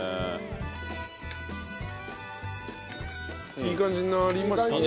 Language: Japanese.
いい感じになりましたね。